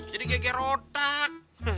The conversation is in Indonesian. jadi gg rotak